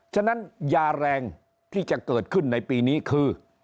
ฉะนั้นยาแรงที่จะเกิดขึ้นในปีนี้คือ